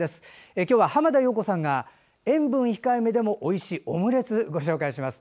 今日は浜田陽子さんが塩分控えめでもおいしいオムレツをご紹介します。